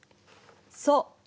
そう。